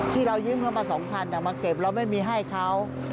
ที่เรายืมเท่าไหร่๒๐๐๐บาทมาเก็บเราไม่มีให้เขา